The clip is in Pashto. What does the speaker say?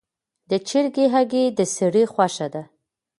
د چرګې هګۍ د سړي خوښه ده.